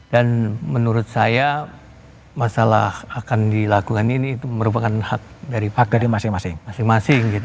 dan menurut saya masalah akan dilakukan ini merupakan hak dari masing masing